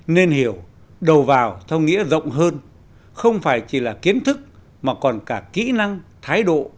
nên hiểu đầu vào theo nghĩa rộng hơn không phải chỉ là kiến thức mà còn cả kỹ năng thái độ